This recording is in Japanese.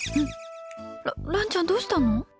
ら、蘭ちゃんどうしたの？